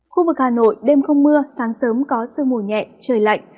khu vực hà nội đêm không mưa sáng sớm có sương mù nhẹ trời lạnh